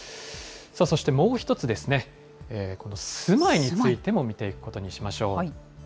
そしてもう一つですね、この住まいについても見ていくことにしましょう。